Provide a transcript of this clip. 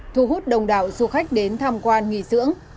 thu hút đông đảo du khách đến tham quan nghỉ dưỡng